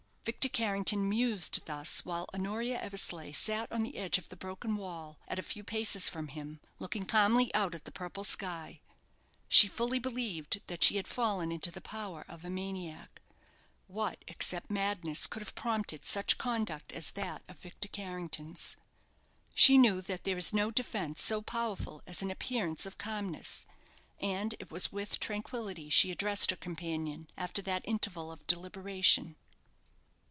Victor Carrington mused thus while Honoria Eversleigh sat on the edge of the broken wall, at a few paces from him, looking calmly out at the purple sky. She fully believed that she had fallen into the power of a maniac. What, except madness, could have prompted such conduct as that of Victor Carrington's? She knew that there is no defence so powerful as an appearance of calmness; and it was with tranquillity she addressed her companion, after that interval of deliberation.